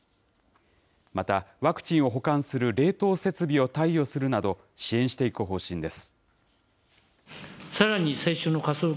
またワクチンを保管する冷凍設備を貸与するなど、支援していく方針です。